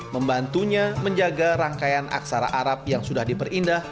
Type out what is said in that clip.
membantunya menjaga rangkaian aksara arab yang sudah diperindah